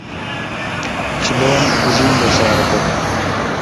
چلۆن بژیم لە شارەکەت